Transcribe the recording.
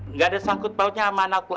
nggak ada sangkut pautnya sama anak lo